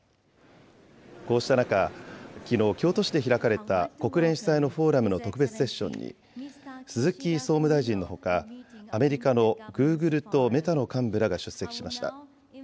こうした中、きのう、京都市で開かれた国連主催のフォーラムの特別セッションに、鈴木総務大臣のほか、アメリカのグーグルとメタの幹部らが出席しました。